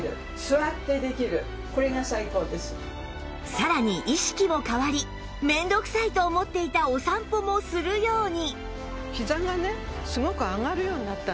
さらに意識も変わり面倒くさいと思っていたお散歩もするように